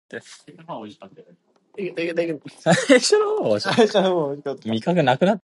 He grew up in Bengaluru, where he pursued his studies.